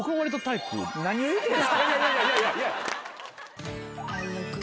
何を言うてんですか。